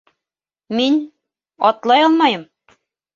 Мин... атлай алмайым!